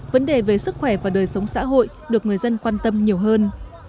vấn đề về sức khỏe và đời sống xã hội được người dân quan tâm nhiều hơn